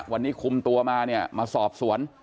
วันนี้คุมตัวมาเนี่ยมาสอบสวน